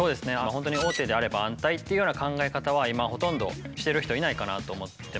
本当に大手であれば安泰っていうような考え方は今ほとんどしてる人いないかなと思ってまして。